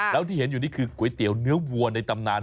แล้วที่เห็นอยู่นี่คือก๋วยเตี๋ยวเนื้อวัวในตำนาน